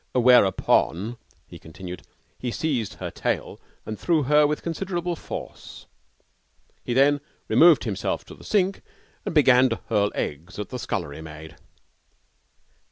'Whereupon,' he continued, 'he seized her tail and threw her with considerable force. He then removed himself to the sink and began to hurl eggs at the scullery maid.'